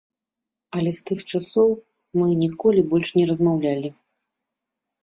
Але з тых часоў мы ніколі больш не размаўлялі.